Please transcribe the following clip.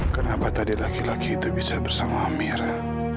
kenapa tadi laki laki itu bisa bersama mira